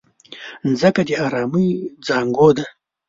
مځکه د ارامۍ زانګو ده.